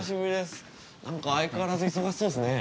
何か相変わらず忙しそうっすね。